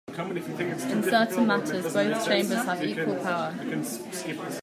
In certain matters both Chambers have equal power.